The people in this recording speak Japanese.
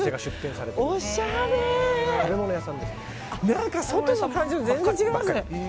何か、外の感じと全然違いますね。